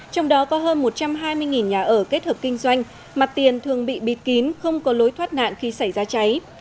trong đó có hơn một trăm hai mươi nhà ở kết hợp kinh doanh mặt tiền thường bị bịt kín không có lối thoát nạn khi xảy ra cháy